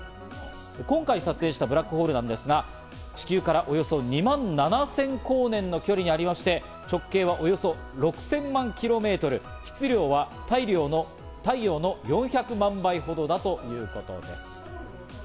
今回撮影したブラックホールですが、地球からおよそ２万７０００光年の距離にありまして、直径はおよそ６０００万キロメートル、質量は太陽の４００万倍ほどだということです。